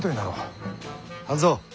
半蔵。